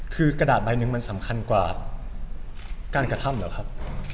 คือกระดาษใบหนึ่งมันสำคัญกว่าการกระทำเหรอครับ